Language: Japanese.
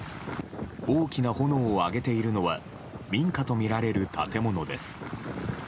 大きな炎を上げているのは民家とみられる建物です。